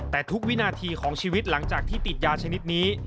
แต่ทุกวินาทีของชีวิตหลังจากที่ติดยาชนิดนี้